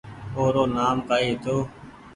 او رو نآم ڪآئي هيتو